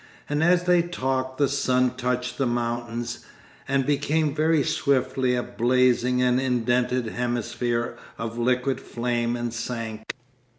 And as they talked the sun touched the mountains, and became very swiftly a blazing and indented hemisphere of liquid flame and sank.